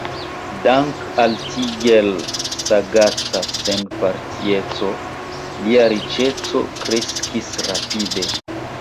Dank' al tiel sagaca senpartieco, lia riĉeco kreskis rapide.